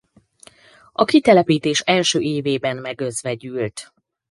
A kitelepítés első évében megözvegyült.